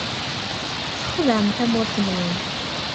Txedɛem tamurt-nwen.